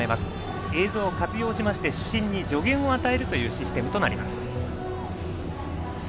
映像を活用しまして主審に助言を与えるシステムとなります。